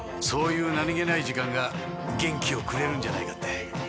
そういう何げない時間が元気をくれるんじゃないかって。